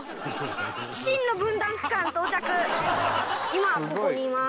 今ここにいます。